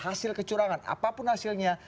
hasil kecurangan apapun hasilnya